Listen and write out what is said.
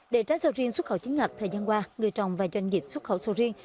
để trái sầu riêng xuất khẩu chính ngạch thời gian qua người trồng và doanh nghiệp xuất khẩu sầu riêng